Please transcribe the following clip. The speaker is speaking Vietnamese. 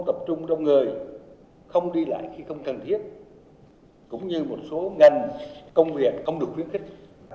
tập trung đông người không đi lại khi không cần thiết cũng như một số ngành công việc không được khuyến khích